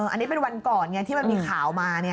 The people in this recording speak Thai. อันนี้เป็นวันก่อนไงที่มันมีข่าวมา